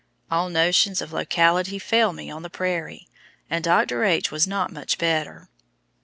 All notions of locality fail me on the prairie, and Dr. H. was not much better.